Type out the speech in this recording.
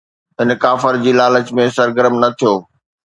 هن ڪافر جي لالچ ۾ سرگرم نه ٿيو